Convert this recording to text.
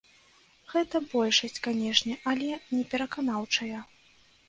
Гэта большасць, канешне, але непераканаўчая.